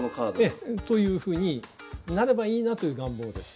ええ。というふうになればいいなという願望です。